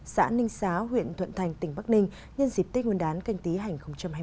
xã ninh xá huyện thuận thành tỉnh bắc ninh nhân dịp tết nguyên đán canh tí hành hai mươi